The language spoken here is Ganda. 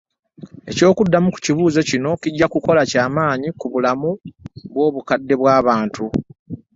Eky’okuddamu ku kibuuzo kino kijja kukola kya maanyi ku bulamu bw’obukadde bw’abantu.